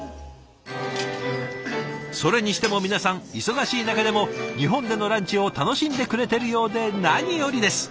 それにしても皆さん忙しい中でも日本でのランチを楽しんでくれてるようで何よりです。